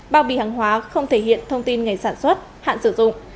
bao bì hàng hóa không thể hiện thông tin ngày sản xuất hạn sử dụng